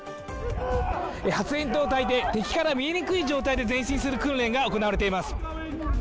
発煙筒をたいて敵から見えにくい状態で前進する訓練が行われています。